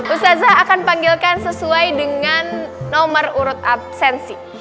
ustazah akan dipanggilkan sesuai dengan nomor urut absensi